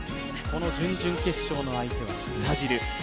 この準々決勝の相手はブラジル。